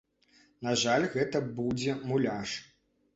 На жаль, гэта будзе муляж.